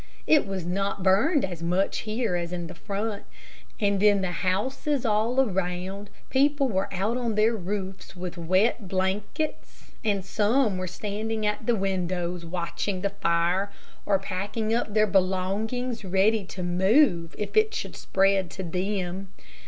It was not burned as much here as in the front, and in the houses all around, people were out on their roofs with wet blankets, and some were standing at the windows watching the fire, or packing up their belongings ready to move if it should spread to them.